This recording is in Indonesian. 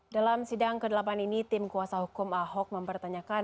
dalam sidang ke delapan ini tim kuasa hukum ahok mempertanyakan